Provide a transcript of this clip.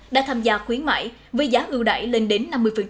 đã tham gia khuyến mại với giá ưu đại lên đến năm mươi